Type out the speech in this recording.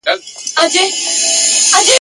پر پچه وختی کشمیر یې ولیدی !.